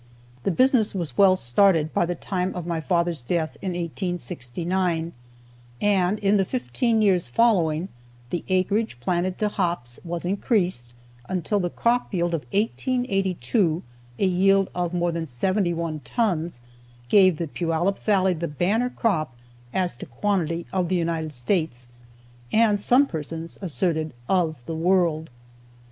The business was well started by the time of my father's death in 1869, and in the fifteen years following the acreage planted to hops was increased until the crop yield of 1882, a yield of more than seventy one tons, gave the Puyallup valley the banner crop, as to quantity, of the United States and, some persons asserted, of the world.